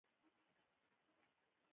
نوې وسیله د ژوند اسانتیا ده